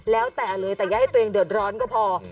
แล้วแต่เลยแต่อย่าให้ตัวเองเดือดร้อนก็พอ